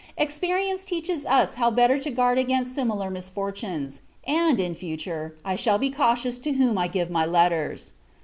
Experience teaches us how better to guard against similar misfortunes; and, in future, I shall be cautious to whom I give my letters.